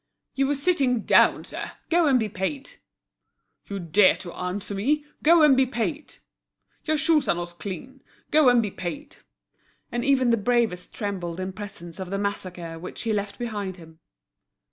"You were sitting down, sir; go and be paid!" "You dare to answer me; go and be paid!" "Your shoes are not clean; go and be paid!" And even the bravest trembled in presence of the massacre which he left behind him.